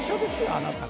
あなたが。